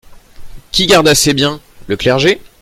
Qui garda ses biens ? le Clergé.